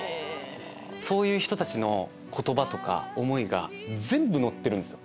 そういう人たちの言葉とか思いが全部乗ってるんです。